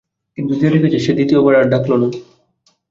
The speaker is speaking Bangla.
কিন্তু যে ডেকেছে সে দ্বিতীয়বার আর ডাকল না।